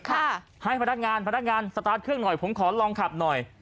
ให้พนักงานพนักงานสตาร์ทเครื่องหน่อยผมขอลองขับหน่อย